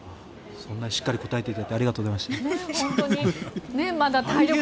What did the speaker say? そんなしっかり答えていただいてありがとうございます。